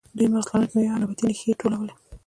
دوی مغز لرونکې میوې او نباتي ریښې ټولولې.